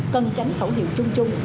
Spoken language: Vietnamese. cần tránh khẩu hiệu chung chung